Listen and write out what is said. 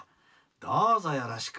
どうぞよろしく」。